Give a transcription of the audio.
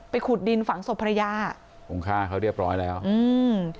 ขุดดินฝังศพภรรยาคงฆ่าเขาเรียบร้อยแล้วอืม